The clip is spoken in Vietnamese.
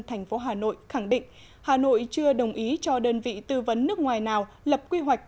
thành phố hà nội khẳng định hà nội chưa đồng ý cho đơn vị tư vấn nước ngoài nào lập quy hoạch